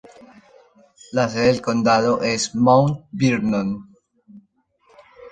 La sede del condado es Mount Vernon.